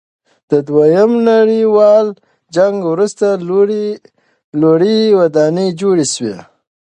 د دویم نړیوال جنګ وروسته لوړې ودانۍ جوړې سوې.